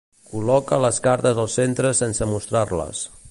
Col·loca les cartes el centre sense mostrar-les.